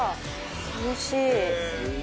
楽しい！